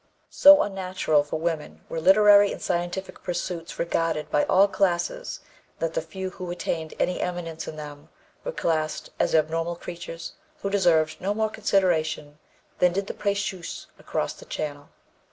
So unnatural for women were literary and scientific pursuits regarded by all classes that the few who attained any eminence in them were classed as abnormal creatures who deserved no more consideration than did the Précieuses across the Channel.